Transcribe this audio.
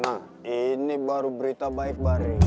nah ini baru berita baik baru